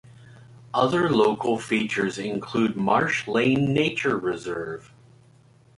Other local features include Marsh Lane Nature Reserve.